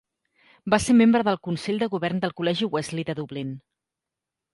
Va ser membre del Consell de Govern del Col·legi Wesley de Dublín.